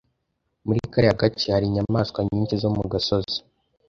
Muri kariya gace hari inyamaswa nyinshi zo mu gasozi.